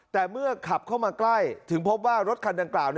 แต่เมื่อขับเข้ามาใกล้ถึงพบว่ารถคันดังกล่าว